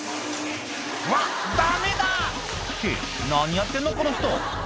「わっダメだ！」って何やってんのこの人